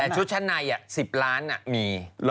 แต่ชุดชะไน๑๐ล้านมี